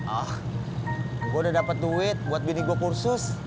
oh gue udah dapet duit buat bini gue kursus